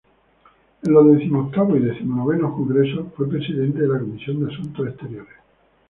En los decimoctavo y decimonoveno congresos, fue presidente de la comisión de asuntos exteriores.